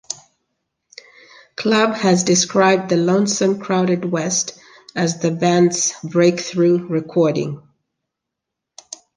Club" has described "The Lonesome Crowded West" as the band's breakthrough recording.